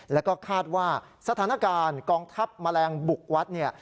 แล้วก็คาดว่าสถานการณ์กองทัพแมลงบุกวัดเนี่ย